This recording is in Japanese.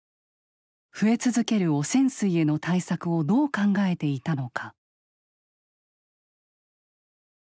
増え続ける汚染水への対策をどう考えていたのか。